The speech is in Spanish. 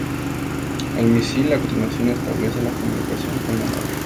El misil, a continuación, establece la comunicación con la nave.